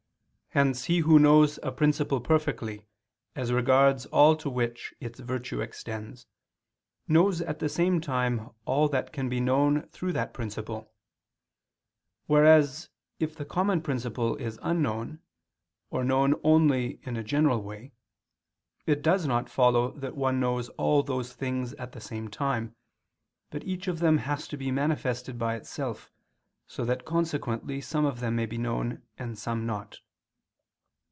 Hence he who knows a principle perfectly, as regards all to which its virtue extends, knows at the same time all that can be known through that principle; whereas if the common principle is unknown, or known only in a general way, it does not follow that one knows all those things at the same time, but each of them has to be manifested by itself, so that consequently some of them may be known, and some not.